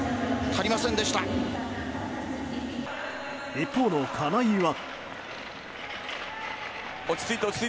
一方の金井は。